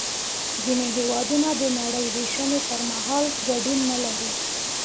ځینې هېوادونه د نړۍ وېشنې پر مهال ګډون نلري